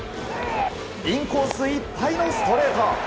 インコースいっぱいのストレート。